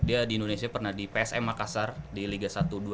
dia di indonesia pernah di psm makassar di liga satu dua ribu